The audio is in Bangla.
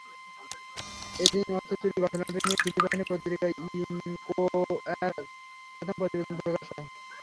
এদিন অর্থ চুরির ঘটনাটি নিয়ে ফিলিপাইনের পত্রিকা ইনকোয়ারার প্রথম প্রতিবেদন প্রকাশ করে।